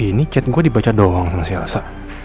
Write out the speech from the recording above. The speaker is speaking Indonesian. ini chat gue dibaca doang sama si elsa